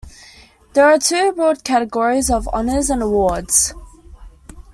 There are two broad categories of honours and awards.